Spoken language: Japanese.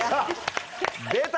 出た！